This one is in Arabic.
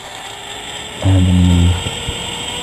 عاد من المخبر.